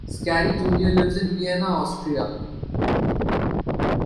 Scarry Junior lives in Vienna, Austria.